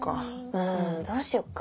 うんどうしよっか。